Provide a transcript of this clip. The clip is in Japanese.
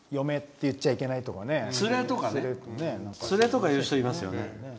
連れとかいう人いますよね。